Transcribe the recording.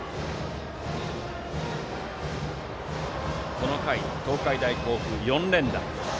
この回、東海大甲府４連打。